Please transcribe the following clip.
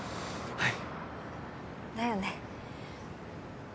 はい。